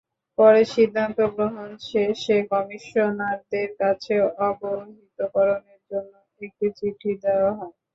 পরে সিদ্ধান্ত গ্রহণ শেষে কমিশনারদের কাছে অবহিতকরণের জন্য একটি চিঠি দেওয়া হয়।